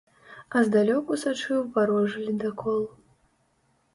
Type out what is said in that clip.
А здалёку сачыў варожы ледакол.